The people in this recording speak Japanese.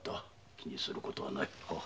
気にする事はない。